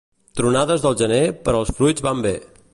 Tronades del gener per als fruits van bé.